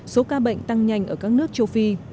số ca bệnh tăng nhanh ở các nước châu phi